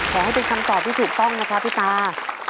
ขอให้เป็นคำตอบที่ถูกต้องนะครับพี่ตา